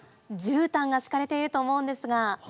絨毯が敷かれていると思うんですが。